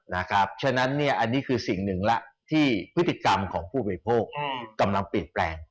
เพราะฉะนั้นอันนี้คือสิ่งหนึ่งแล้วที่พฤติกรรมของผู้บริโภคกำลังเปลี่ยนแปลง